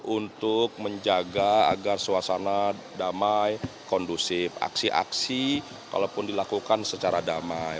untuk menjaga agar suasana damai kondusif aksi aksi kalaupun dilakukan secara damai